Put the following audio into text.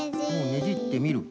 ねじってみる。